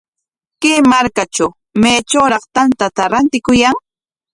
Kay markatraw, ¿maytrawtaq tantata rantikuyan?